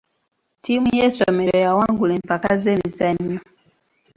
Ttiimu y'essomero yawangula empaka z'emizannyo.